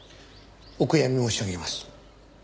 お悔やみ申し上げます。